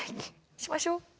しましょう。